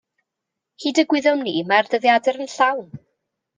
Hyd y gwyddom ni mae'r dyddiadur yn llawn